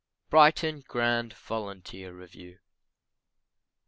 BRIGHTON GRAND VOLUNTEER REVIEW.